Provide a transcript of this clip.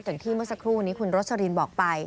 อย่างที่เมื่อสักครู่นี้คุณโรสลินบอกไป